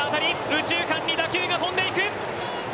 右中間に打球が飛んでいく。